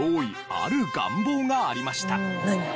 ある願望がありました。